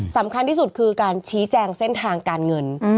สำคัญที่สุดคือการชี้แจงเส้นทางการเงิน